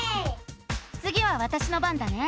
つぎはわたしの番だね。